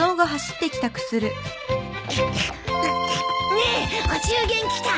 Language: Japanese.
ねえお中元来た？